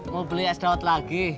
mau beli es dawet lagi